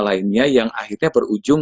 lainnya yang akhirnya berujung